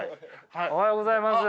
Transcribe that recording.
おはようございます！